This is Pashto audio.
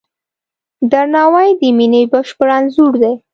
درناوی د مینې بشپړ انځور دی.